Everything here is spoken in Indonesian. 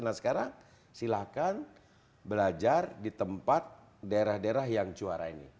nah sekarang silahkan belajar di tempat daerah daerah yang juara ini